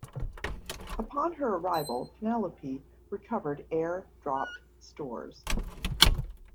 Upon her arrival, "Penelope" recovered air-dropped stores.